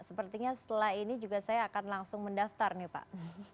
sepertinya setelah ini juga saya akan langsung mendaftar nih pak